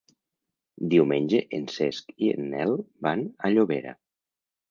Diumenge en Cesc i en Nel van a Llobera.